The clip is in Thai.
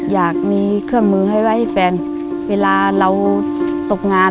อยากมีเครื่องมือให้ไว้ให้แฟนเวลาเราตกงาน